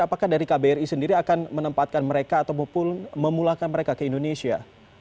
apakah dari kbri sendiri akan menempatkan mereka atau memulakan mereka ke indonesia